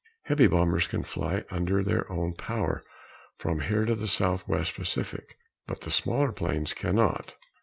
Heavy bombers can fly under their own power from here to the southwest Pacific, but the smaller planes cannot.